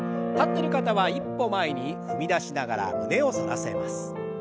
立ってる方は一歩前に踏み出しながら胸を反らせます。